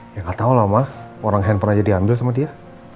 ya gak tau lah ma orang handphone aja diambil sama dia